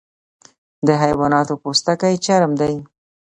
د حیواناتو پوستکی چرم دی